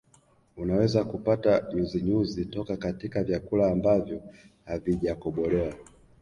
Unaweza kupata nyuzinyuzi toka katika vyakula ambavyo havijakobolewa